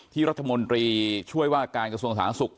รัฐมนตรีช่วยว่าการกระทรวงสาธารณสุข